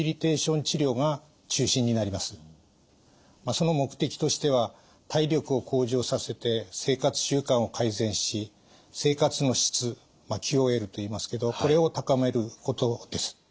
その目的としては体力を向上させて生活習慣を改善し生活の質ＱＯＬといいますけどこれを高めることです。